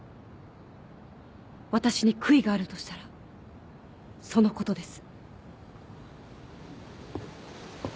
私に悔いがあるとしたらそのことです。